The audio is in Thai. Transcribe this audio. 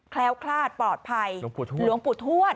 แคล้วคลาดปลอดภัยหลวงปู่ทวด